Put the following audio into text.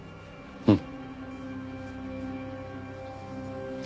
うん。